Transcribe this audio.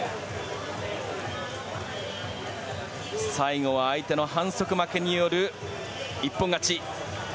最後は相手の反則負けによる一本勝ち。